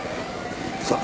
さあ。